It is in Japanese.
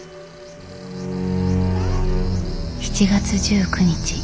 ７月１９日。